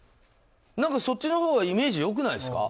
そっちのほうがイメージ良くないですか。